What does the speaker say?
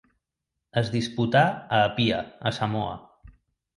Es disputà a Apia, a Samoa.